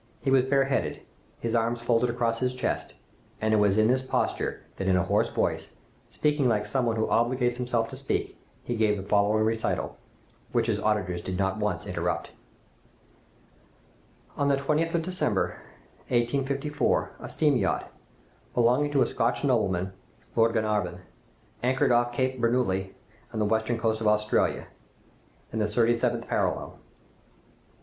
He was bareheaded, his arms folded across his chest, and it was in this posture that in a hoarse voice, speaking like some one who obliges himself to speak, he gave the following recital, which his auditors did not once interrupt: "On the 20th of December, 1854, a steam yacht, belonging to a Scotch nobleman, Lord Glenarvan, anchored off Cape Bernouilli, on the western coast of Australia, in the thirty seventh parallel.